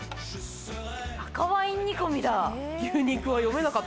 赤ワイン煮込みだ。